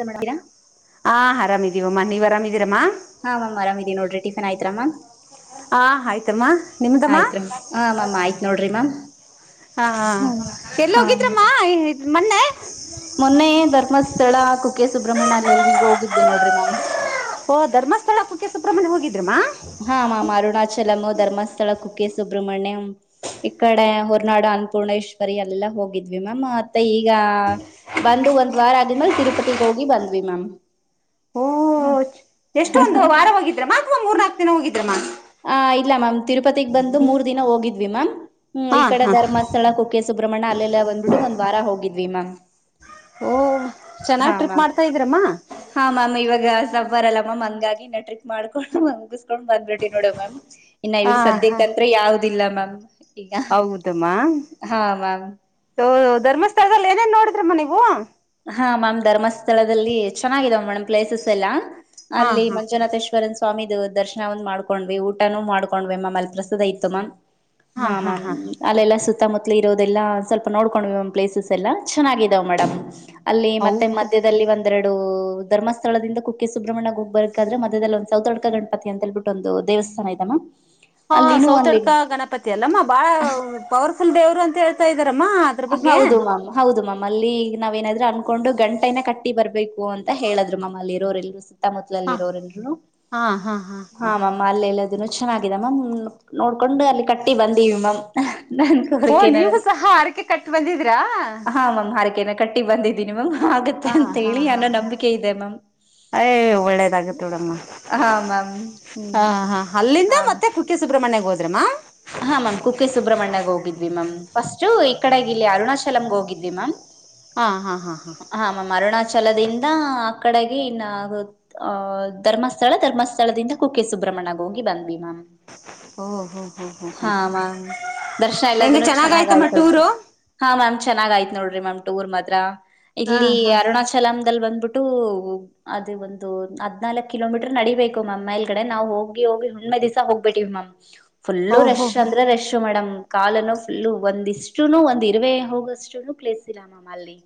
ನಮಸ್ತೆ ಮೇಡಂ ಹ ಆರಾಮ ಇಮ್ಮ ನೀವ ಆರಾಮ ಇದ್ದೀರಮ್ಮಾ ಹಾ ಮ್ಯಾಮ್ ಆರಾಮ ಇದೀಿ ನೋಡ್ರಿ ಟಫಿನ್ ಆಯ್ತಾ ಮಾಮ್ ಹ ಆಯ್ತಮ್ಮ ನಿಮ್ದಮ್ಮ ಹಾ ಮ್ಯಾಮ್ ಆಯ್ತ್ ನೋಡ್ರಿ ಮ್ಯಾಮ್ ಹ ಹ್ಮ್ ಎಲ್ಲಿ ಹಾ ಹೋಗಿದ್ರಮ್ಮ ಮನ್ನೆ ಮೊನ್ನೆ ಧರ್ಮಸ್ಥಳ ಕುಕ್ಕೆ ಸುಬ್ರಹ್ಮಣ್ಯಲ್ಲಿ ಹೋಗಿದ್ದ್ವಿ ನೋಡ್ರಿ ಮ [unintelligible] ಹ ಓ ಧರ್ಮಸ್ಥಳಕ್ಕೆ ಕುಕ್ಕೆ ಸುಬ್ರಹ್ಮಣ್ಯ ಹೋಗಿದ್ ಹಾ ಮ್ಯಾಮ್ ಅರುಣಾಚಲಂ ಧರ್ಮಸ್ ಸ್ಥಳ ಕುಕ್ಕೆ ಸುಬ್ರಹ್ಮಣ್ಯಂ ಈ ಕಡೆ ಹೊರ್ನಾಡು ಅನ್ನಪೂರ್ಣೇಶ್ವರಿ ಅಲ್ಲೆಲ್ಲಾ ಹೋಗಿದ್ವಿ ಮ್ಯಾಮ್. ಮತ್ತೆ ಈಗ ಬಂದು ಒಂದ್ ವಾರ ಆಗಿದ್ಮೇಲ್ ತಿರುಪತಿಗೆ ಹೋಗಿ ಬಂದ್ವಿ ಮ್ಯಾಮ್. ಎಷ್ಟ್ ಒಂದು ವಾರ ಹೋಗಿದ್ರ ಮಾ ಅತ್ವ ಮೂರ್ ನಾ ದಿನ ಹೋಗ್ ಹ ಇಲ್ಲ ಮ್ಯಾಮ್ ತಿರುಪತಿಗಗ್ ಬಂದು ಮೂರ್ ದಿನ ಹೋಗಿದ್ದ್ ವಿ ಮ್ಯಾಮ್ ಹ್ಮ್ ಹಾ ಈ ಕಡೆ ಹಾ ಧರ್ಮಸ್ಥಳ ಕುಕ್ಕೆ ಸುಬ್ರಹ್ಮಣ್ಯ ಅಲ್ಲೆಲ್ಲ ಬಂದಬಿಟ್ಟು ಒನ್ ವಾರ ಹೋಗಿದ್ವಿ ಮ್ಯಾಮ್ ಓ ಹಾ ಚೆನ್ನಾಗ್ ಟ್ರಿಪ್ ಮ್ಯಾಮ್ ಮಾಡ್ತಾ ಇದ್ರಮ್ಮ ಹಾ ಮ್ಯಾಮ್ ಇವಾಗ ಬರಲ್ಲ ಮಾಮ್ ಹಂಗಾಗಿನೆ ಟ್ರಿಕ್ ಮಾಡ್ಕೊಂಡು ಮುಗಿಸಸ್ಕೊಂಡು ಬಂದ್ಬಿಟ್ ಟ್ವಿ ನೋಡ್ ಮ್ಯಾಮ್ ಇನ್ನ ಹಾ ಇಲ್ಲಿ ಹಾ ಸದ್ಯಕ್ಕತ್ರ ಯಾವುದಿಲ್ಲ ಮ್ಯಾಮ್ ಹಾ ಈಗ ಹೌದಮ್ಮ ಮ್ಯಾಮ್ ಇದು ಧರ್ಮಸ್ಥಳ ಏನೇನ್ ನೋಡ್ರಮ್ಮ ನೀವು ಹಾ ಮ್ಯಾಮ್ ಧರ್ಮಸ್ಥಳದಲ್ಲಿ ಚೆನ್ನಾಗಿದಾವ್ ಮೇಡಂ ಪ್ಲೇಸಸ್ ಎಲ್ಲಾ ಹಾ ಅಲ್ಲಿ ಹಾ ಮಂಜುನಾಥೇಶ್ವರನ್ ಸ್ವಾಮಿ ದು ದರ್ಶನ ಒಂದ್ ಮಾಡ್ಕೊಂಡ್ವಿ ಊಟನೂ ಮಾಡ್ಕೊಂಡ್ವಿ ಮ್ಯಾಮ್ ಅಲ್ಲಿ ಪ್ರಸಾದ ಇತ್ತು ಮ್ಯಾಮ್. ಹಾ ಮ್ಯಾಮ್ ಅಲ್ಲೆಲ್ಲಾ ಸು ಸುತ್ತಮುತ್ತಲಿ ಇರೋದೆಲ್ಲ ಸ್ವಲ್ಪ ನೋಡ್ಕೊಂಡ್ವಿ ಮ್ಯಾಮ್ ಪ್ಲೇಸಸ್ ಎಲ್ಲ ಚೆನ್ನಾಗಿದಾವ್ ಮೇಡಮ್. ಅಲ್ಲಿ ಮತ್ತೆ ಹೌದು ಮಧ್ಯದಲ್ಲಿ ಒಂದೆರ ಡು ಧರ್ಮಸ್ಥಳದಿಂದ ಕುಕ್ಕೆ ಸುಬ್ರಹ್ಮಣ್ಯ ಹೋಗ್ಬಬೇಕಾದ್ರೆ ಮದ್ಯದಲ್ಲಿ ಒಂದು ಸೌತಡ್ಕ ಗಣಪತಿ ಅಂತೇಳ್ಬಿಟ್ಟು ಒಂದು ದೇವಸ್ಥಾನ ಇದೆ ಮ್ಯಾಮ್ ಹಾ ಅಲ್ಲಿನೂ ಅಲ್ಲಿ ಸೌತಡ್ಕ ಗಣಪತಿ ಅಲ್ಲಮ್ಮ ಬಾಳ ಪವರ್ಫು ಲ್ ದೇವ್ರು ಅಂತ ಹೇಳ್ತಾ ಇ ಹೌದು ಮಾಮ್ ಹೌದು ಮ್ಯಾಮ್ ಅಲ್ಲಿ ನಾವ್ ಏನಾದ್ರು ಅನ್ಕೊಂಡು ಗಂಟೆನ ಕಟ್ಟಿ ಬರ್ಬೇಕು ಅಂತ ಹೇಳಿದ್ರು ಮ್ಯಾಮ್ ಅಲ್ಲಿ ಇರೋರೆಲ್ರು ಸೆ ಮುತ್ತಮುತ್ತಲಲ್ಲಿ ಹ ಇರೋರೆಲ್ರು ಹಾ ಹಾ ಹಾ ಹಾ ಹ ಮ್ಯಾಮ್ ಅಲ್ಲಲ್ಲ ಇನ್ನು ಚೆನ್ನಾಗಿದೆ ಮ್ಯಾಮ್ ನೋಡ್ಕೊಂಡು ಅಲ್ಲಿ ಕಟ್ಟಿ ಬಂದೀವಿ ಮ್ಯಾಮ್ ನನ್ ಓ ಕೋರಿಕೆನ ನೀವು ಸಹ ಹರ್ಕೆ ಕಟ್ ಬಂದಿದೀರಾ ಹಾ ಮಾಮ್ ಹಾರಕೆನ ಕಟ್ಟಿ ಬಂದಿದ್ದೀಿ ಮ ಹ ಹಾ ಹಾ ಮ್ಯಾಮ್ ಯ ಒಳ್ಳೇದಾಗುತ್ತೆ ನೋಡಮ್ಮ ಹಾ ಮ್ಯಾಮ್ ಹ್ಮ್ ಹ ಹಾ ಅಲ್ಲಿಂದ ಹಾ ಮ್ಯಾಮ್ ಮತ್ತೆ ಕುಕ್ಕೆ ಸುಬ್ರ್ಮಣ್ಯ ಹೋ [unintelligible] ಹಾ ಮ್ಯಾಮ್ ಕುಕ್ಕೆ ಸು್ರಹ್ಮಣ್ಯಗ ಹೋಗಿದ್ದಿ ಮ್ಯಾಮ್ ಫಸ್ಟ್ ಈ ಕಡೆ ಇಲ್ಲಿ ಅರುಣಾಚಲಮಗೆ ಹೋಗಿದ್ವಿ ಮ್ಯಾಮ್ ಹಾ ಹಾ ಹಾ ಹಾ ಛಲದಿಂದ ಆ ಕಡೆಗೆ ಇನ್ನ ಅಹ ಧರ್ಮಸ್ಥಳ ಧರ್ಮಸ್ಥಳದಿಂದ ಕುಕ್ಕೆ ಸುಬ್ರಹ್ಮಣ್ಯ ಹೋಗಿ ಬಂದ್ವಿ ಮ್ಯಾಮ್ ಓ ಹೋ ಹೋ ಹೋ ಹೋ ಹಾ ಮ್ಯಾಮ್ ದರ್ಶನ ಹೆಂಗೆ ಎಲ್ಲದ ಚೆನ್ನಾ ಲಗ್ ಚೆನ್ನಾಗಯ್ತಮ್ಮ ಆಯತ್ ಟೂರು ಹಾ ಮ್ಯಾಮ್ ಚೆಾಗ್ ಆಐತೆ ನೋಡ್ರ ಮ್ಯಾಮ್ ಟೂರ್ ಮಾತ್ರ ಹ ಇಲ್ಲಿ ಹಾ ಅರುಣಾಚಲಮ ದಲ್ ಬಂದ್ಬಿಟ್ಟು ಅದ ಒಂದು ಹದ್ನಾಲ್ಕ್ ಕಿಲೋಮೀಟರ್ ನಡಿೀಬೇಕು ಮಾಮ್ ಮೇಲ್ಗಡೆ ನಾವ್ ಹೋಗಿ ಹೋಗಿ ಹುಣ್ಮೆ ದಿವ್ಸ ಹೋಗ್ಬಿಟ್ಟಿವ್ ಮ್ಯಾಮ್ ಫುಲ್ಲು ಓಹೋ ರೆಶ್ ಹೋ ಅಂದ್ರೆ ರೆಶ್ ಮೇಡಮ್ ಕಾಲನು ಫುಲ್ಲು ಒಂದಿಷ್ಟುನು ಒಂದ್ ಇರುವೇ ಹೋಗಷ್ಟು ಪ್ಲೇಸ್ ಇಿಲ್ಲ ಮಾಮ ಅಲ್ಲಿ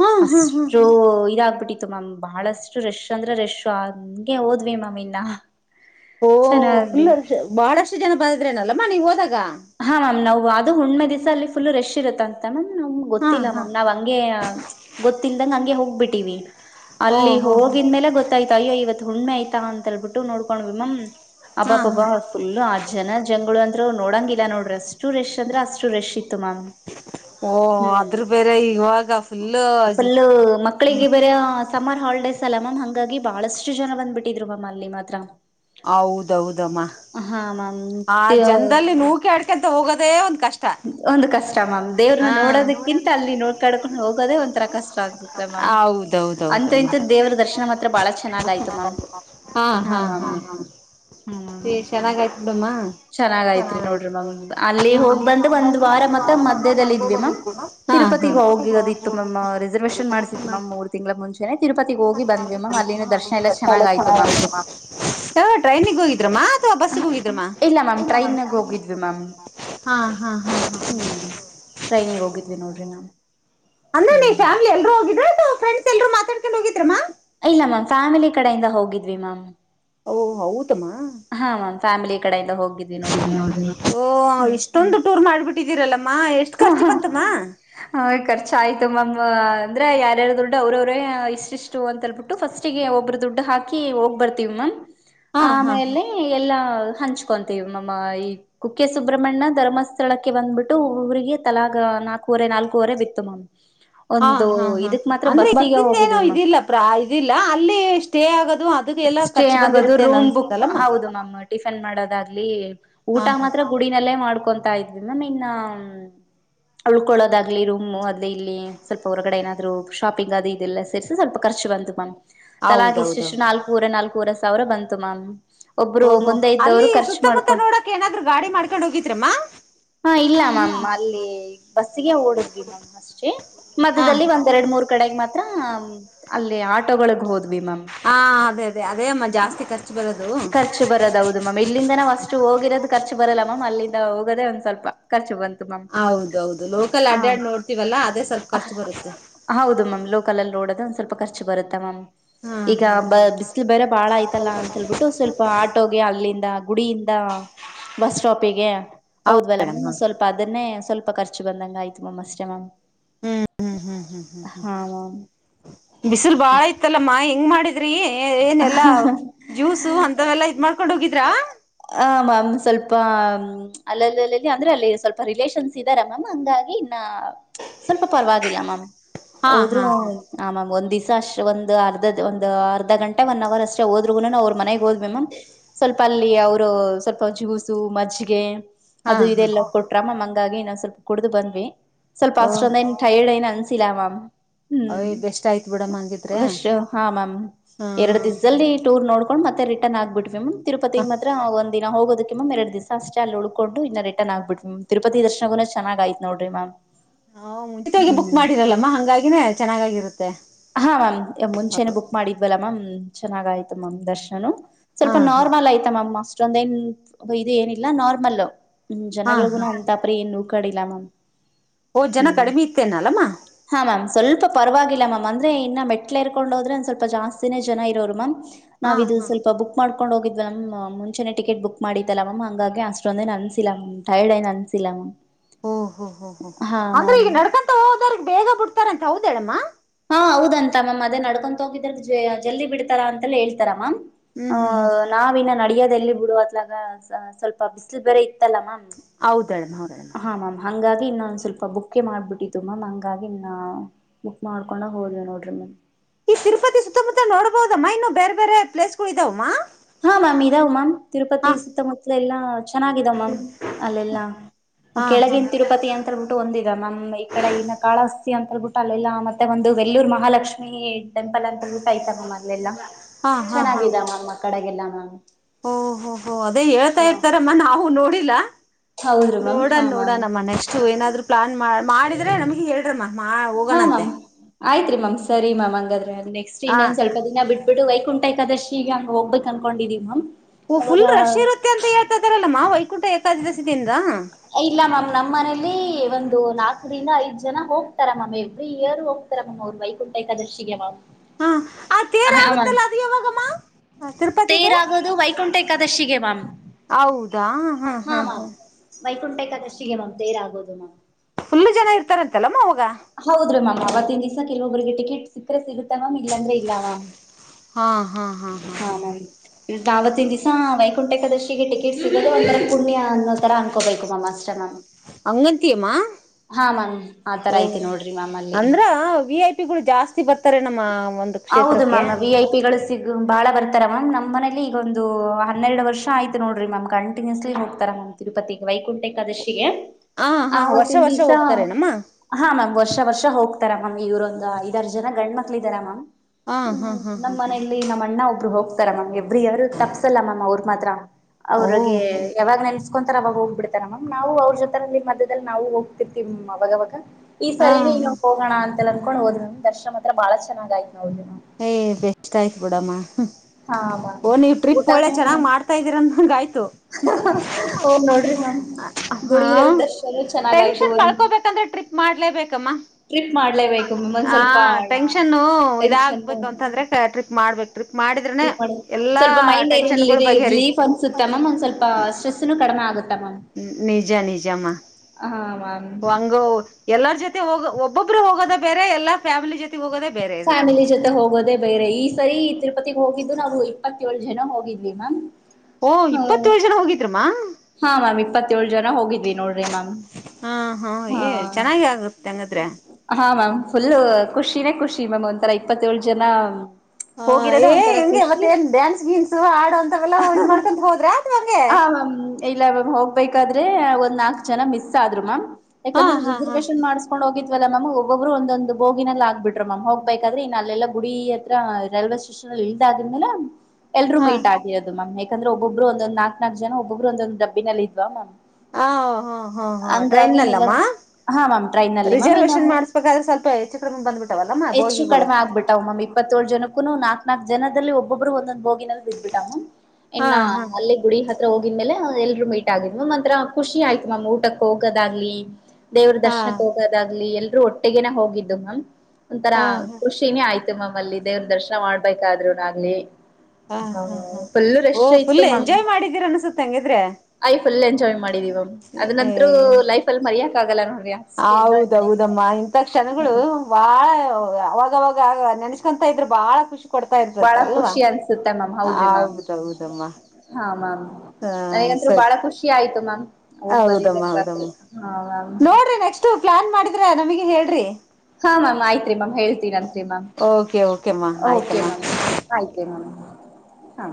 ಹೋ ಹಾ ಹಾ ಹಾ ಅಷ್ಟು ಹಾ ಇದಾಗಬಿಟ್ಟಿ ಮಮ್ ಬಹಳಷ್ಟು ರೆಶ್ ಅಂದ್ರೆ ರೆಶ್ ಹನ್ಗೆ ಹೋದ್ವಿ ಮಮ್ ಇನ್ನ ಓ ಚೆನ್ನಾಗಿ ಫುಲ್ರ್ಷ ಬಹಳಷ್ಟು ಜನ ಬರ ಲ್ಲ ಮ ಹೋದ ಹಾ ಮ್ಯಾಮ್ ನಾವು ಅದು ಹುಣ್ಮೆ ದಸ ಫುಲ್ ರೆಶ್ ಇರುತ್ತ ಅಂತ ಮ ನಮ್ಗೆ ಹಾ ಗೊತ್ತಿಲ್ಲ ಹಾ ಮ್ಯಾಮ್ ನಾವ್ ಹಂಗೆ ಗೊತ್ತಿಲ್ಲದ ನಂಗೆ ಹೋಗ್ಬಿಟ್ಟಿವ ಓ ಅಲ್ಲಿ ಹೋ ಹೋ ಹೋಗಿದ್ಮೇಲೆ ಗೊತ್ತಾಯ್ತು ಅಯ್ಯೋ ಇವತ್ತು ಉುಣ್ಣೆ ಆಯತ ಅಂತ ಹೇಳಳ್ಿಟ್ಟು ನೋಡ್ಕೋ್ಮ್ ಅಬಾ ಹಾ ಹಾ ಪಬಾ ಸುಳ್ಳು ಆ ಜನ ಜಂಗಗಳು ಅಂದ್ರು ನೋಡಂಗ ಇಲ್ಲ ನೋಡ್ರೆ ಅಷ್ಟು ರೆಶ್ ಅಂದ್ರೆ ಅಷ್ಟು ರೆಶ್ ಇತ್ತು ಮ್ಯಾಮ್ ಓ ಹ್ಮ್ ಅದ್ರ ಬೇರೆ ಇವಾಗ ಫುಲ್ಲ ಫುಲ್ ಸಾಲ ಮಾಮ್ ಹಂಗಾಗಿ ಬಹಳಷ್ಟು ಜನ ಬಂದ್ಬಿಟ್ಟಿದ್ರು ಮಾಮ್ ಅಲ್ಲಿ ಮಾತ್ರ ಹೌದೌದಮ್ಮ ಹಾ ಮ್ಯಾಮ್ ಆ ಜನದಲ್ಲಿ ನೂಕೆ ಆಡ್ ಎಂತ ಹೋಗದ ಒಂದ್ ಕಷ್ಟ ಮ್ಯಾಮ್ ದೇವ್ರನ್ನ ನೋಡೋದಕ್ಕಿಂತ ಅಲ್ಲಿ ನೋಡ್ಕಾಡ್ಕೊಂಡು ಹೋಗೋದೇ ಒಂಥರ ಕಷ್ಟ ಅನ್ಸುತ್ತೆ ಮ್ಯಾಮ್ ಅಂತ ಹೌದೌದೌದಮ್ಮ ಇಂತ ದೇವ್ರ ದರ್ಶನ ಮಾತ್ರ ಬಹಳ ಚೆನ್ನಾಗ ಆಯ್ತು ಮ್ಯಾಮ್ ಹ ಮ್ಯಾಮ್ ಹ ಸ ಹ್ಮ್ ಚೆನ್ನಾಗಯ್ತ ಚ ಬ ಚೆನ್ನಾಗ ಐತ್ರಿ ನೋಡ್ರಿ ಮ್ಯಾಮ್ ಅಲ್ಲಿ ಹೋಗ್ ಬಂದು ಒಂದ್ ಮತ್ತ ವಾರ ಮತ್ರ ಮಧ್ಯದಲ್ಲಿ ಇದ್ವಿ ಮದಲ್ಲಿ ಮ್ಯಾಮ್ ತಿರುಪತಿಗೆ ಇದತಿಗ ಹೋಗಿರೋದಿತ್ತು ಮ್ಯಾಮ್ ರಿಸರ್ವೇಶನ್ ಮಾಡ್ಸಿತ್ತು ಮ್ಯಾಮ್ ಮೂರ್ ತಿಂಗಳ ಮುಂಚೆನೆ ತಿರುಪತಿಗೆ ಹೋಗಿ ಬಂದ್ವಿ ಮ್ಯಾಮ್ ಬಂದ ಅಲ್ಲಿನ ಅಲ್ಲಿ ದರ್ಶನ ಎಲ್ಲ ಚೆನ್ನಾಗ ಆಯ್ತು ಮ್ಯಾಮ್ ಎಲ್ಲ ಚ್ತು ಟ್ರೈನಿಿಗೆ ಹೋಗಿದ್ರಮ್ಮಾ ಬ ಹ ಇಲ್ಲ ಮ್ಯಾಮ್ ಟ್ರೈನ್ಾಗ ಹೋಗಿದ್ವಿ ಮ್ಯಾಮ್ ಹ ಹ ಹ್ಮ್ ಟ್ರೈನಿಗೆ ಹೋಗಿದ್ವಿ ನೋಡ್ರಿ ಮ್ಯಾಮ್ ಅಂದ್ರೆ ನೀ ಹ್ಮ್ ಫ್ಯಾಮಿಲಿ ಎಲ್ರು ಹೋಗಿದಟ ್ರೆಂಡ್ ಎಲ್ರು ಮಾತಾಡ್ಕೊಂಡ ಹೋಗಿದ್ರಾ ಇಲ್ಲ ಮ್ಯಾಮ್ ಫ್ಯಾಮಿಲಿ ಕಡೆಯಿಂದ ಹೋಗಿದ್ವಿ ಮ್ಯಾಮ್ ಓ ಹೌದು ಹಾ ಮ್ಯಾಮ್ ಫ್ಯಾಮಿಲಿ ಕಡ ಓ ಇಷ್ಟೊಂದು ಟೂರ್ ಮಾಡ್ಬಿಟ್ಟಿದ್ದೀರಲ್ಲ ಮಾ ಎಷ್ಟು ಖರ್ಚ ಬಂತಮ್ಮ ಆಯ್ತು ಮ್ಯಾಮ್ ಅಂದ್ರೆ ಯಾರ್ಯಾರ ದುಡ್ಡು ಅವ್ರವ್ರೇ ಇಷ್ಟಿಷ್ಟು ಅಂತ ಅಳ್ಬಿಟ್ಟು ಫಸ್ಟ್ಿಗೆ ಒಬ್ಬ್ರ ದುಡ್ಡು ಹಾಕಿ ಹೋಗ್ಬರ್ತೀವಿ ಮ್ಯಾಮ್ ಹಾ ಹಾ ಹಾ ಆಮೇಲೆ ಎಲ್ಲಾ ಹಂಚ್ಕೊಂತೀವಿ ಮಮ್ಮ ಈ ಕುಕ್ಕೆ ಸುಬ್ರಹ್ಮಣ್ಯ ಧರ್ಮಸ್ಥಳಕ್ಕೆ ಬಂದ್ಬಿಟ್ಟು ಊಿಗೆ ತಲಾ ನಾಲ್ಕೂವರೆ ನಾಲ್ಕೂುವರೆ ಬಿತು ಹಾ ಹಾ ಹಾ ಅಂದ್ರೆ ಬಸ್ಸಿಗೆ ಬಸ್ಿಂದ ಏನೋ ಹೋಗಿದ್ವಿ ಮ್ಯಾಮ್ ಇದಿಲ್ಲ ಪ್ರ ಇದಿಲ್ಲ ಅಲ್ಲಿ ಸ್ಟೇ ಆಗದು ಸ್ಟೇ ಆಗೋದು ರೂಮ್ ಬುಕ್ ಹೌದು ಮ್ಯಾಮ್ ಟಿಫನ್ ಮಾಡೋದು ಲಿ ಹಾ ಊಟ ಹಾ ಮಾತ್ರ ಗುಡಿನಲ್ಲೇ ಮಾಡ್ಕ ಕೊತ ಇದ್ವಿ ಮ್ಯಾಮ್ ಇನ್ನು ಉಳ್ಕೊಳ್ಳೋದಾಗ್ಲಿ ರೂಮ್ ಅ್ ಇಲ್ಲಿ ಸ್ವಲ್ಪ ಹೊರಗಡೆ ಏನಾದ್ೂ ಶಾಪಿಂಗ್ ಅದು ಇದೆಲ್ಲ ಸೇರಿಸಿ ಸ್ವಲ್ಪ ಖರ್ಚು ಬಂತು ಮ್ಯಾಮ್ ತಲಾಗಿಿು ಹೌದೌದೌದು ನಾಲ್ಕು ನಾಲ್ಕೂರ ಸಾವಿರ ಬಂತು ಮ್ಯಾಮ್ ಒಬ್ರು ಓಹೋ ಮುಂದೆ ಇದ್ದವರು ಅಲ್ಲಿ ಖರ್ಚು ಸುತ್ತಮುತ್ತ ಮಾಡ್ಕೊಂಡರು ನೋಡಕ್ ಏನಾದ್ರು ಗಾಡಿ ಮಾಡ್ಕೊಂಡ್ ಹೋಗಿದ್ರಮ್ಮ ಹಾ ಇಲ್ಲ ಮ್ಯಾಮ್ ಅಲ್ಲಿ ಬಸ್ಗೆ ಓಡದ್ವಿ ಮ್ಯಾಮ್ ಅಷ್ಟೆ ಹಾ ಮಧ್ಯದಲ್ಲಿ ಒಂದ್ೆರಡ್ ಮೂರ್ ಕಡೆಗೆ ಮತ್ತ ಅಲ್ಲಿ ಆಟೋಗಳಿಗೆ ಹೋದ ವಿಮಂ ಹಾ ಅದೇ ಅದೇ ಅದೇ ಅಮ್ಮ ಜಾಸ್ತಿ ಖರ್ಚು ಬರದು ಇಲ್ಲಿಂದನ ಅಸ್ಟ್ ಹೋಗಿರೋದು ಖರ್ಚು ಬರಲ್ಲ ಮಾಮ್ ಅಲ್ಲಿಂದ ಹೋಗದೇ ಒಂದ್ ಸ್ವಲ್ಪಖರ್ಚು ಬಂತು ಮ್ಯಾಮ್ ಹೌದೌದು ಲೋಕಲ್ ಅಡ್ಡ್ಯಾಡ್ ನೋಡ್ತೀವಲ್ಲಾ ಅದೇ ಸ್ವಲ್ಪ ಹ ಖರ್ಚ ಬರುತ್ತೆ ಅಂದ ಸ್ಲ್ಪ ಖರ್ಚ ಬರುತ್ತಾ ಮಾಮ್ ಹಾ ಹಾ ಹಾ ಬೇ ಬಾಳಯ್ತಲ್ಲ ಅಂತೇಳ್ಬಿಟ್ಟು ಸ್ವಪ ಆಟೋಗೆ ಅಲ್ಲಿಂದ ಗುಡಿಯಿಂದ ಬಸ್ ಸ್ಟಾಪಿಗೆ ಹೌದು ಹೌದ್ವಲ್ಲ ಮೇಡಮ್ ಹೌದು ಸ್ವಲ್ಪ ಅದನ್ನೇ ಸ್ವಲ್ಪ ಪ ಖರ್ಚು ಬಂದಂಗ ಆಯ್ತು ಮ್ಯಾಮ್ ಅಷ್ಟೇ ಮ್ಯಾಮ್ ಹ್ಮ ಹ್ಮ್ ಹ್ಮ ಹ್ಮ ಹ್ಮ ಹಾ ಬಿಸಿಲ್ ಬಾಳ ಇತ್ತಲ್ಲ ಮಾ ಹೆಂಗ್ ಮಾಡಿದ ರೀ ಏ ಏನೆಲ್ಲಾ ಮ್ಯಾಮ್ ಜ್ಯೂಸು ಅಂತವೆಲ್ಲಾ ಇದ್ ಮಾಡ್ಕೊಂಡ್ ಹೋಗಿದ್ರಾ ಅಲ್ಲ ಅಂದ್ರೆ ಅಲ್ಲಿ ಸ್ವಲ್ಪ ರಿಲೇಷನ್ಸ್ ಇದ್ದಾರ ಮ್ಯಾಮ್ ಹಂಗಾಗಿ ಇನ್ನ ಸ್ವಲ್ಪ ಪರವಾಗಿಲ್ಲ ಮ್ಯಾಮ್ ಹಾ ಹೋದ್ರು ಹಾ ಆಾಮ್ ಒಂದ್ ದಿವ ಷ್ಟ ಒಂದು ಅರ್ಧ ಒಂದು ಅರ್ಧ ಗಂಟೆ ಒನ್ ಅವರ್ ಅಷ್ಟೇ ಹೋದ್ರುಗೂ ಅವ್ರ ಮನೆಗೆ ಹೋದ್ಮ ಮ್ಯಾಮ್ ಸ್ವಲ್ಪ ಅಲ್ಲಿ ಅವರು ಸ್ವಲ್ಪ ಜ್ಯೂಸು ಮಜ್ಜಿಗೆ ಹಾ ಹಾ ಅದು ಹಾ ಇದೆಲ್ಲ ಕೊಟ್ರ ಮ ಮಂಗ ಾಗಿ ನಾ್ ಸ್ವಲ್ಪ ಕುಡಿದು ಬಂದ್ವಿ ಸ್ವಲ್ಪ ಅತ್ರದಂದ ಏ ಟೈರ್ಡ್ ಏನ್ ಸಿಲಾಮಾಮ ಅವಯದು್ ಎಷ್ಟ ಆಯ್ತ್ ಬಿಡಮ್ಮ ಹಂಗಿದ್ರೆ ಹ ಎರಡು ದಿವಸದಲ್ಲಿ ಟೂರ್ ನೋಡ್ ಮತ್ತೆ ರಿಟನ್ ಆಗ್ಬ ಬಿಟ್ವಿ್ ತಿರುಪತಿಗೆ ಮಾತ್ರ ಒಂದ ದಿನ ಹೋಗ ಎರಡು ದಿವಸ ಅಷ್ಟ ಅಲ್ಲಿ ಉಳ್ಕೊಂಡು ಇನ್ನ ರಿಟರ್ ಆಗ್ಬಿ್ ತಿಪತಿ ದರ್ನು ಚೆಾಗ ಆಯ್ ನೋ್ರರಿ ಮಾಮ್ ಹಾ ಮುಂಚಿತ ಬುಕ್ ಮಾಡಿರಲ್ಲಮ್ಮ ಹಂಗಾಗಿನೇ ಚೆನ್ನಾಗಾಗಿರುತ್ತೆ ಹಾ ಮ್ಯಾಮ್ ಮುಂಚೆನೆ ಬುಕ್ ಮಾಡಿದ್ಲ್ಲ ಮಾಮ್ ಚೆನ್ನಾಗಯ್ತು ಮಾಮ್ ದರ್ಶನ್ ಹಾ ಸ್ವಲ್ಪ ಹಾ ನಾರ್ಮಲ್ ಆಯ್ತ ಮಮ್ಮ ಂದನ್ ಇದು ಏನ ಇಿಲ್ಲ ನಾರ್ಮಲ್ ಹ್ಮ್ ಹಾ ಜನಗಳಿಗು ಅಂತಪರಿ ಏನು ಕಡಿಲಾಮ್ ಹಓದ್ ಜನ ಕಡಿಮೆ ಇತ್ತೇನಲ್ಲಮ್ಮ ಹಾ ಮ್ಯಾಮ್ ಸ್ವಲ್ಪ ಪರವಾಗಿಲ್ಲ ಮ್ಯಾಮ್ ಅಂದ್ರೆ ಇ ಮೆಟ್ಲೆ ಎರ್ಕೊಂಡ ಹೋದ್ರೆ ಒಂದ ಸ್ವಲ್ಪ ಜಾಸ್ಿನೇ ಜ ಇರೋರು ಮಾಮ್ ಹಾ ನಾವ್ ಇದು ಹಾ ಸ್ವಲ್ಪ ಬುಕ್ ಮಾಡ್ ಕರ್ಕೊಂಡ್ ಹೋಗಿದ್ವ ನಮ್ ಮುಂಚೆನೆ ಟಿಕೆಟ್ ಬುಕ್ ಮಾಡಿತ್ತಲ್ಲ ಮ್ ಹಂಗ ಅಷ್ಟೊಂದೇ ಅನ್ಸಿಲ್ಲ ಮ್ ಟೈರ್ಡ್ ಆಐ್ ಅನ್ಸಿಲ್ಲ ಮಾಮ್ ಹಓ್ ಹ್ ಹ್ ಹ್ ಹ್ ಅಂದ್ರ ಈಗ ನಡ್ಕಂತ ಹೋದ ಬೇಗ ಬಿಡ್ತಾರ ಅಂತ ಹೌದಮ್ಮ ಹ ಹೌದ ಅಂತ ಮ್ಯಾಮ್ ಅದೇ ನಡ್ಕೊಂಡು ಹೋಗಿದ್ರ ಜಲ್ದಿ ಬಿಡ್ತಾರ ಅಂತಲೇ ಹೇಳ್ತಾರೆ ಮ್ಯಾಮ್ ಹ್ಮ್ ಹ ಹ್ಮ್ ಹ್ಮ್ ನಾವಿನ್ನ ನಡಿಯೋದ ಎಲ್ಲಿ ಬಿಡುವದಲಾಗ ಸ್ವಲ್ಪ ಬಿಸಿಲು ಬೇರೆ ಇ ತ್ತಲಮಂ ಡ್ಣ ಅವರ್ಣ ಹಂಗಾಗಿ ಇನ್ನೊಂದು ಸ್ವಲ್ಪ ಬುಕ್ಕೇ ಮಾಡ್ಬಿಟ್ಟಿತ್ತು ಮ್ಯಾಮ್ ಹಂಗಾಗಿ ಇನ್ನು ಬುಕ್ ಮಾಡ್ಕೊಂಡ ಹೋದವು ನೋಡ್ರಿ ಮ್ಯಾಮ್ ಈ ತಿರುಪತಿ ಸುತ್ತಮುತ್ತ ನೋಡ್ಬಹುದಮ್ಮ ಇನ್ನು ಬೇರೆ ಬೇರೆ ಪ್ಲೇಸ್ಗಳು ಇದಾವಮ್ಮ ಹಾ ಮ್ಯಾಮ್ ಇದೆ ಮಾಮ್ ತಿರುಪತಿ ಹಾ ಸುತ್ತಮುತ್ತಲ ಎಲ್ಲ [unintelligible] ಚೆನ್ನಾಗಾಗಿದೆ ಮ್ಯಾಮ್ ಅಲ್ಲೆಲ್ಲಾ ಹಾ ಹಾ ಕೆಳಗಿನ ತಿರುಪತಿ ಅಂತಳ್ಬಿಟ್ಟು ಒಂದಿದ ಮ್ಯಾಮ್ ಈ ಕಡೆ ಇನ್ನ ಕಾಳ ಅಂತಳ್ಬಿಟ್ಟು ಅಲ್ಲೆಲ್ಲ ಮತ್ತೆ ಒಂದು ವೆಲ್ಲೂರ್ ಮಹಾಲಕ್ಷ್ಮಿ ಟೆಂಪಲ್ ಅಂತಬಊಟ ಆ್ತ ಮ ಅದಲೆಲ್ಲ ಚೆನ್ನಾಗಿದ ಮ ಓ ಹೋ ಹೋ ಅದೇ ಹೇಳ್ತಾ ಹಾ ಇರ್ತಾರಮ್ಮ ನಾವು ನೋಡಿಲ್ಲ ಹೌದ್ರಿ ಮ್ಯಾಮ್ ನೋಡಣ ಹಾ ಮ್ಯಾಮ್ ನೋಡನಮ್ಮ ನೆಕ್ಸ್ಟ್ ಏನಾದ್ರು ಪ್ಲ್ಾನ್ ಮಾಡಿದರೆ ನಮಗೆ ಹೇಳ್ರರಿ ಮ ಮಾ ಹಾ ಹೋಗೋಣಂತೆ ಮ್ಯಾಮ್ ಆಯ್ತ್ರಿ ಮಾಮ್ ಸರಿ ಮಾಮ್ ಹಂಗಾದ್ರಯ ಹ ನೆಕ್ಟ್ನ್ನೊಂದು ಸ್ವಲ್ಪ ದಿನ ಬಿಟ್ಬಿಟ್ಟು ವೈಕ್ ಕುಂಟ ಕಾದಶಿಗ ಹಂಗ ಹೋಗ್ಬೇಕ ಅನ್ಕೊಂಡಿದೀವಿ ಮಾಮ್ ಓ ಫುಲ್ ರಶ್ ಇರುತ್ತೆ ಅಂತ ಹೇಳ್ತಾ ಇದ್ದಾರಲ್ಲಮ್ಮ ವೈಕುಂಠ ಏಕಾದಿ ದಶಿದಿಂದ ಇಲ್ಲ ಮ್ಯಾಮ್ ನಮ್ಮ್ ಮನೇಲಿ ಒಂದು ನಾಲ್ಕರಿಂದ ಐದ್ ಜನ ಹೋಗ್ ತರಾಮ ಎ್ರಿ ಇಯರ್ ಹೋಗ್ ತರಾಮ್ ಅವ ವೈಕಂಟೆ ಕದರ್ಶಿಗೆಮಾಮ ಹಾ ಆ ತೇರ ಆಗುತ್ತಲ್ಲ ಅ ಯಾಗಮ್ಮ ತಿರುಪತಿ ತೇರಾಗೋದು ವೈಕುಂಠ ಏಕಾದಶಿಗೆ ಮ್ಯಾಮ್ ಹೌದಾ ಹ ಹಾ ಹ ಹ ಮ್ಯಾಮ್ ವೈಕುಂಠ ಕ ಅಷ್ಟಿಗೆ ಮಾಮ್ ತೇರ್ ಆಗದು ಮ್ಯಾಮ್ ಫುಲ್ ಜನ ಇರ್ತಾರಂತಲ್ಲಮ್ಮ ಅವಾಗ ಹೌದ್ರಿ ಮ ಆವತ್ತಿನ ದಿವಸ ಕೆಲವೊಬ್ರರಿಗೆ ಟಿಕೆಟ್ ಸಿಕ್ಕ್ರ ಸಿಗುತ್ತ ಮ್ಯಾಮ ಇಲ್ಲಾಂದ್ರೆ ಇಲ್ಲವಾ ಹಾ ನ ನಾವತ್ತಂ ದಿವಸಾೈ ಕುಂಟಕದಶಿಗೆ ಟಿಕೆಟ್ ಸಿಗೋದು ಒಂಥರ ಪುಣ್ಯ ಅನ್ನೋ ತರ ಅನ್ಕೋಬೇಕು ಮಮಸ್ ಹಂಗಂತೀಯಮ್ಮ ಹ ಮಾಮ್ ಓ ಅಂದ್ರ ವಿ ಐ ಪಿ ಗಳು ಜಾಸ್ತಿ ಬರ್ತಾರೆ ನಮ್ಮ ಒಂದು ಕ್ಷೇತ್ರಕ್ಕೆ ಬರ್ತರ ಮ್ಯಾಮ್ ನಮ್ಮ ಮನೇಲಿ ಈಗೊಂದು ಹನ್ನೆರಡು ವರ್ಷ ಆಯಿತು ನೋಡಿರಿ ಮ್ಯಾಮ್ ಕಂಟಿನ್ಯೂಸ್ಲಿ ಹೋಗ್ತಾರೆ ಮ್ಯಾಮ್ ತಿರುಪತಿಗೆ ವೈಕುಂಠ ಏಕಾದಶಿಗೆ ಹ ಹಾ ವರ್ಷ ವರ್ಷ ಹೋಗ್ತಾರೆ ನಮ್ಮ ಹಾ ಮ್ಯಾಮ್ ವರ್ಷ ವರ್ಷ ಷ್ಟ ಹ್ತಾರ ಮಾಮ್ ಇವ್ರೊಂದ್ಐದರ್ು ಜನ ಗಂಡ್ ಮಕ್ಳ ಇದ್ದಾರ ಮ್ಯಾಮ್ ಹ ಹ್ಮ್ ಹಾ ಹಾ ಹಾ ನಮ್ಮ್ ಹಾ ಮನೆಯಲ್ಲಿ ನಮ್ಮ ಅಣ್ಣ ಒಬ್ರು ಹೋಗಿ ರ ಮಾಮ್ ಎವ್ರಿ ಇಯರ್ ತಪ್ಸ್ಲ್ಲ ಮಾಮ ಅವ್ರ ಮಾತ್ರ ಓ ಅವ್ರಗೆ ಯಾವಾಗ್ ನೆನ್ಸ ಕೊಂತರವಾಗ ಹೋಗ್ಬ ಬಿಡ್ತಾರ ಮಾಮ್ ನಾವು ಅವ್ರ ಜೊತರ ಮದದಲ್ಲಿ ನಾವು ಹೋಗತಿರ್ತಿವಿ್ ಬ ಬಾಗ ಈ ಹಾ ಸರಿ ನೀ ನೀನು ಹಾ ಹೋಗಣ ಅಂತ ಅಕೊಂಡ ಹೋದ್ ನ ದರ್ಶ ಹತ್ರ ಬಾಳ ಚೆನ್ನ್ ಆ್ತ ನೋದು ಏ್ ಬೆಸ್ ಆಯ್ತ್ ಬಿಡಮ್ಮ ಹಾ ಮ್ಯಾಮ್ ಓ ನೀವ್ ಟ್ರಿಪ್ ಒಳ್ಳೆ ಊಟಾನ ಚೆನ್ನಾಗ್ ಮಾಡ್ತಾ ಇದ್ದೀರ ಅಂದಂಗ ಆಯ್ತು ಹೋಗ ನೋಡ್ರಿ ಮ್ಯಾಮ್ ಹ ಗುಡಿಗಿರಲ್ ದರ್ಶನ ಚೆನ್ನಾಗಾಯ್ತು ಒಂದ್ ಕ್ರ ಮಾಡ ಟ್ರಿಪ್ ಮಾಡ್ಲೇಬೇಕು ಮ್ಯಾಮ್ ಒಂದ್ ಸ್ವಲ್ಪ ಟೆನ್ಷನ್ ಮಾಡ ಮಾಡ ಸ್ವಲ್ಪ ಮೈಂಡ್ ಏನ ರಿಲೀಫ ಬಗೆಹರಿಯುತ್ತೆ ಅನ್ಸುತ್ತೆ ಮ್ಯಾಮ್ಂದ್ ಸ್ವಲ್ಪ ಸ್ಟ್ರೆಸ್ನು ಕಮ ಆ ನಿಜ ನಿಜಮ್ಮ ಹಾ ಮ್ಯಾಮ್ ಹಂಗ ಎಲ್ಲಾರ ಜೊತೆ ಹೋಗ ಒಬೊಬ್ಬರು ಹೋಗೋದ ಬೇ ಎಲ್ಲ ಫ್ಯಾಮಿಲಿ ಜೊತೆ ಹೋಗೋದೇ ಬೇರೆ ಇರುತ್ತೆ ಫ್ಯಾಮಿಲಿ ಜೊತೆ ಹೋಗೋದೆೇ ಬೇರೆ ಈ ಸರಿರ್ ಇತ್ತ ಹೋಗಿದ್ದು ನಾವು ಇಪ್ಪತ್ತಏಳ್ು ಜನ ಹೋಗಿದ್ವಿ ಮ್ಯಾಮ್ ಓ ಹ್ಮ ಇಪ್ಪತ್ತೇಳು ಜನ ಹೋಗಿದ್ರಮ್ಮ ಹಾ ಮ್ಯಾಮ್ ಇಪ್ಪತ್ತೇಳೇಳು ಜನ ಹೋಗಿದ್ವಿ ನೋಡ್ರಿ ಮ್ಯಾಮ್ ಹಾ ಹಾ ಏ ಹಾ ಚೆನ್ನಾಗಿ ಆಗುತ್ತೆ ಹಂಗಿದ್ರೆ ಹಾ ಮ್ಯಾಮ್ ಫುಲ್ ಖುಷಿನೇ ಖುಷಿ ಮಾಮ್ ಒಂಂತರ ಇಪ್ಪತ್ತಏೇಳು ಜನ ಹ ಹೋಗಿರೋದ ಏ ಒಂಥರ ಹಂಗೆ ಖುಷಿ ಮತ್ತೆ ಏನ್ ಡ್ಯಾನ್ಸ್ ಗಿನ್ಸು ಹಡು ಅಂತ ಎಲ್ಲಾ ಇದ್ ಮಾಡ್ಕಂತ ಹೋದ್ರಿ ಅಥವಾ ಹಂಗೆ ಬೇಕಾದ್ರೆ ಒಂದ್ ನಾಲ್ಕಕ್ ಜನ ಮಿಸ್ ಆದ್ರು ಮ್ಯಾಮ್ ಹಾ ಯಾಕಂದ್ರೆ ಹಾ ಹಾ ರಿಸರ್ವೇನ್ ಮಾಡ್ಕೊಂಡ್ ಹೋಗಿದ್ದ ಮಾಮ್ ಒಬ್ಬೊಬ್ರು ಒಂದೊಂದು ಬೋಗಿನಲ್ಲಿ ಆಗ್ಬಿಟ್ಟು ಮಮ್ ಹೋಗ್ಬೇಕಾದ್ರೆ ಇನ್ನ ಅಲ್ಲೆಲ್ಲಾ ಗುಡಿ ಹತ್ರ ರೈಲ್ವೆ ಸ್ಟೇಷನ್ ಅಲ್ಲಿ ಇಲ್ದಾಗಿರ್್ಮೇಲೆ ಎಲ್ರುೂ ಹಾ ಮೀಟ್ ಆಗಿರದು ಮಾಮ್ ಅಂದ್ರ ಒಬೊಬ್ರು ಒಂದಂದು ನಕ್ ನಕಕ್ ಜ ಒಬ್ರು ಒಂದ ಡಬ್ಬಿನಲ್ಲಿ ಇದ್್ ಹ ಹ ಹಾ ಹಾ ಟ್ರೈನ್ ನೆಲ್ಲ ನಲ್ಲಮ್ಮ ಹಾ ಮ್ಯಾಮ್ ಟ್ರೈನ್ ನಲ್ಲಿ ಮ್ಯಾಮ್ ರಿಸರ್ವೇಶನ್ ಇನ್ನು ಮಾಡ್ಸ್ಬೇಕಾದ್ರೆ ಸ್ವಲ್ಪ ಹೆಚ್ಚು ಕಡೆ ಮುಂದ್ ಬಂದ್ಬಿಟ್ಟವಲ್ಲ ಹೆಚ್ಚು ಕಡಿಮೆ ಆಗ್ಬಿಟ್ಟಾವ ಮಮ್ ಇಪ್ಪತ್ತೇಳು ಜನಕ್ಕೂ ನಾಲ್ಕು ನಾಕ್ ಜನದಲ್ಲಿ ಒಬೊಬ್ಬರು ಒಂದೊಂದ್ ಬೋಗಿನಲ್ಲಿ ಬಿದ್ಬಿಟ್ಟಮ್ಮ ಹಾ ಇಲ್ಲ ಹಾ ಅಲ್ಲೆ ಗುಡಿ ಹತ್ತ ತ್ರ ಹೋಗಿದ್ಮೇಲೆ ಎಲ್ರು ಮೀಟ್ ಆಗಿದ್ ಮಮ್ಂತ್ರರ ಖುಷಿ ಆಯ್ತು ಮಾಮ್ ಊಟಕ್ ಹೋಗೋದಾಗ್ಲಿ ದೇವ್ರ ಹಾ ದರ್ಶನಕ್ಕೆ ಹೋಗೋದಾಗ್ಲಿ ಎ ಒಟ್ಟಗನೆ ಹೋಗಿದ್ದು ಮಲ್ ಒಂಂತರ ಹಾ ಹಾ ಖುಷಿನೇ ಆಯ್ತು ಮಮ್ಮಲ್ಲಿ ದೇವ್ನ ದರ್ಶನ ಮಾಡ್ಬೇಕಾದ್ರುನ ಆಗ್ಲಿ ಹಾ ಹಾ ಹಾ ಫುಲ್ ಓ ರಶ್ ಇತ್ತು ಫುಲ್ ಮ್ಯಾಮ್. ಎಂಜಾಯ್ ಮಾಡಿದ್ದೀರ ಅನ್ಸುತ್ತೆ ಹಂಗಿದ್ರೆ ುಲ್ ಎಜಾಯ್ ಮಾಡಿ ಮಾಡ ಅದ್ ಏ ನಂತರೂ ಲೈಫ್ ಅಲ್ಲಿ ಮರ ಸಗಲನು ಹೌದೌದಮ್ಮ ಇಂತ ಕ್ಷಣಗಳು ಬಾಳ ಅವಾಗವಾಗ ನೆನ್ಸ್ಕೊಂತ ಇದ್ರೆ ಬಾಳ ಖುಷಿ. ಕೊಡ್ತಾ ಬಾಳ ಇರ್ತತೆ ಅಲ್ವಾ ಖುಷಿ ಅನ್ಸುತ್ತೆ ಮಮ್ಮ. ಹೌದ ಮ್ಯ ಹೌದೌದಮ್ಮ ಹ ಮ್ಯ್ ಹ ನನಗೂ ಬ ಸರಿ ಖುಷಿ ಆಯ್ತು ಮ್ಯಾಮ್ ಹೋಗ್ ಬಂದ ಹೌದಮ್ಮ ಹೌದಮ್ಮ ನೋಡ್ರಿ ನೆಕ್ಸ್ಟ್ ಪ್ಲಾನ್ ಮಾಡಿದ್ರೆ ನಮಗೆ ಹೇಳ್ರಿ ಹ್ಯಾಮ್ಯ್ತ್ರಿ ಮಾಮ್ ಹಳ್ತೀನಂತ. ಓಕೆ ಓಕೆಮ್ಮ ೆ ಆಯ್ತಮ್ಮ ಮ್ಯ ಆಯ್ ಓಕೆ ಮ್ಯ. ಹ